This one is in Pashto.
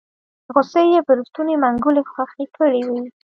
غصې يې پر ستوني منګولې خښې کړې وې